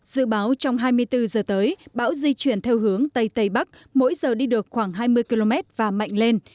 dự báo trong hai mươi bốn giờ tới bão di chuyển theo hướng tây tây bắc mỗi giờ đi được khoảng hai mươi km và mạnh lên